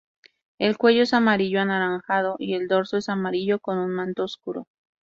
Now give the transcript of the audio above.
El cuello es amarillo anaranjado y el dorso es amarillo con un manto oscuro.